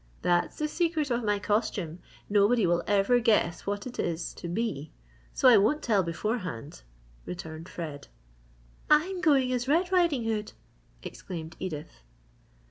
"That's the secret of my costume. Nobody will ever guess what it is to be so I won't tell beforehand," returned Fred. "I'm going as Red Riding Hood!" exclaimed Edith.